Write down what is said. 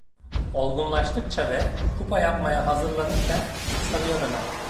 Olgunlaştıkça ve pupa yapmaya hazırlanırken sarıya döner.